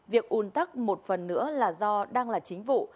việc un tắc một phần nữa là do đang là chính vụ